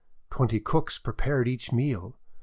Twenty cooks prepared each meal.